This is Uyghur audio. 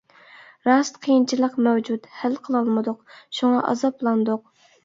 راست، قىيىنچىلىق مەۋجۇت، ھەل قىلالمىدۇق، شۇڭا ئازابلاندۇق.